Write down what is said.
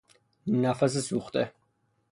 نفس سوخته